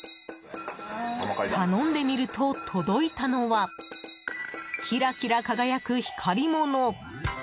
頼んでみると、届いたのはキラキラ輝く光り物。